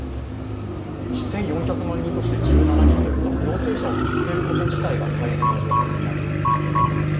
１４００万人都市で１７人というのは陽性者を見つける方が大変な状況になってきています。